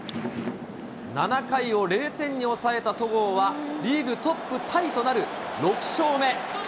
７回を０点に抑えた戸郷は、リーグトップタイとなる６勝目。